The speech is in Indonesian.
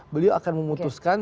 beliau akan memutuskan